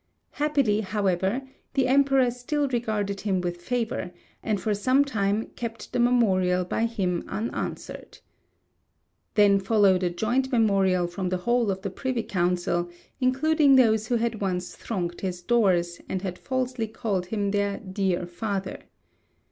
Happily, however, the Emperor still regarded him with favour, and for some time kept the memorial by him unanswered. Then followed a joint memorial from the whole of the Privy Council, including those who had once thronged his doors, and had falsely called him their dear father.